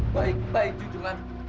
baik baik tuntungan